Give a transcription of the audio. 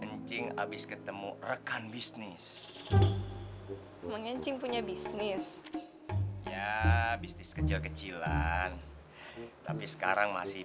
kencing abis ketemu rekan bisnis mengencing punya bisnis ya bisnis kecil kecilan tapi sekarang masih